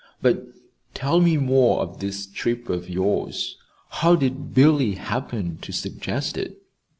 But tell me more of this trip of yours. How did Billy happen to suggest it?"